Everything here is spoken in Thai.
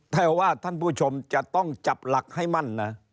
แต่ว่าท่านผู้ชมจะต้องจับหลักให้มั่นนะ